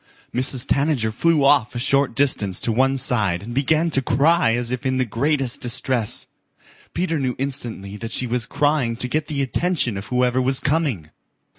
Mrs. Tanager flew off a short distance to one side and began to cry as if in the greatest distress. Peter knew instantly that she was crying to get the attention of whoever was coming.